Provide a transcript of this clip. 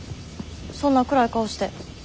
そんな暗い顔して。